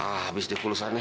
ah habis deh kulusannya